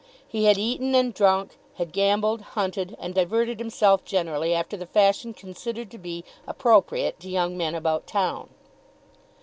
He had eaten and drunk, had gambled, hunted, and diverted himself generally after the fashion considered to be appropriate to young men about town.